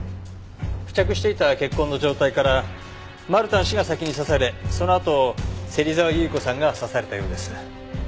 付着していた血痕の状態からマルタン氏が先に刺されそのあと芹沢結子さんが刺されたようです。